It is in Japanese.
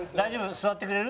座ってくれる？